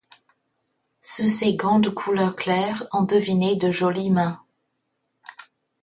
Sous ses gants de couleur claire, on devinait de jolies mains.